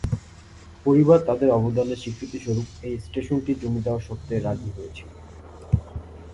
পরিবার তাদের অবদানের স্বীকৃতি স্বরূপ এই স্টেশনটি জমি দেওয়ার শর্তে রাজি হয়েছিল।